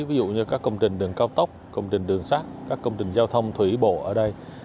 ví dụ như các công trình đường cao tốc công trình đường sát các công trình giao thông thủy bộ ở đây